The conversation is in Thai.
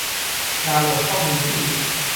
ดาวน์โหลดข้อมูลที่